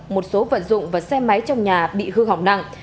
một số vận dụng và xe máy trong nhà bị hư hỏng nặng